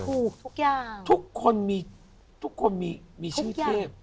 ถูกทุกอย่างทุกคนมีชื่อเทพ